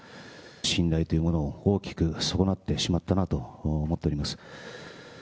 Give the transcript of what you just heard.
信頼というものを大きく損なってしまったなと思っております。